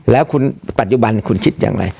แล้วคุณปัจจุบันคุณคิดอย่างไร